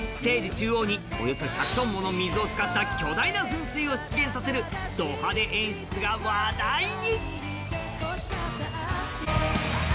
中央におよそ１００ｔもの水を使った巨大な噴水を出現させるド派手演出が話題に。